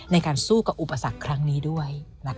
ในการสู้กับอุปสรรคครั้งนี้ด้วย